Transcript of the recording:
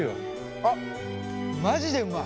あっマジでうまい。